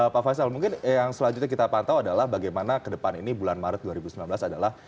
pak faisal mungkin yang selanjutnya kita pantau adalah bagaimana ke depan ini bulan maret dua ribu sembilan belas adalah